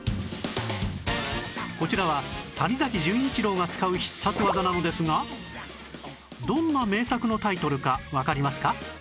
こちらは谷崎潤一郎が使う必殺技なのですがどんな名作のタイトルかわかりますか？